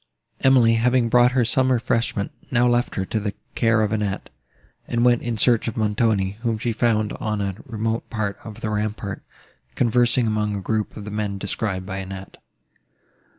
Emily, having brought her some refreshment, now left her to the care of Annette, and went in search of Montoni, whom she found on a remote part of the rampart, conversing among a group of the men described by Annette.